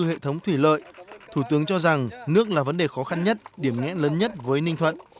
hệ thống thủy lợi thủ tướng cho rằng nước là vấn đề khó khăn nhất điểm nghên lớn nhất với ninh thuận